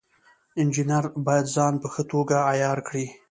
انجینر باید ځان په ښه توګه عیار کړي.